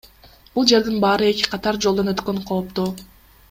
Бул жердин баары эки катар, жолдон өткөн кооптуу.